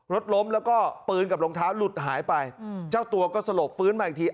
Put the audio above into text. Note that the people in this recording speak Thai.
รถล้มแล้วก็ปืนกับรองเท้าหลุดหายไปเจ้าตัวก็สลบฟื้นมาอีกที